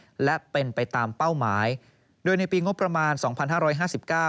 และเป็นไปตามเป้าหมายโดยในปีงบประมาณสองพันห้าร้อยห้าสิบเก้า